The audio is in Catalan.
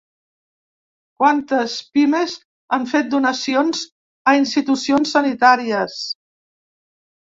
Quantes pimes han fet donacions a institucions sanitàries?